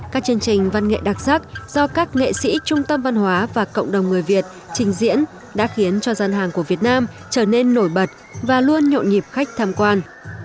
các chương trình văn nghệ đặc sắc do các nghệ sĩ trung tâm văn hóa và cộng đồng người việt trình diễn đã khiến cho gian hàng của việt nam trở nên nổi bật và luôn nhộn nhịp khách tham quan